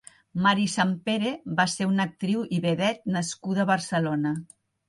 Mary Santpere va ser una actriu i vedet nascuda a Barcelona.